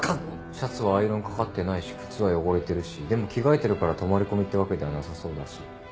シャツはアイロンかかってないし靴は汚れてるしでも着替えてるから泊まり込みってわけではなさそうだし。